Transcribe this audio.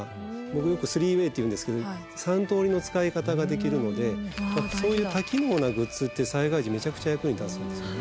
僕よくスリーウェイって言うんですけど３とおりの使い方ができるのでそういう多機能なグッズって災害時めちゃくちゃ役に立つんですよね。